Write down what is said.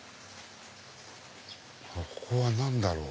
ここは何だろう？